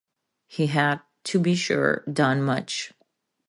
He had, to be sure, done much.